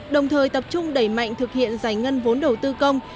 đồng thời tập trung đẩy mạnh thực hiện giải ngân vốn đầu tư công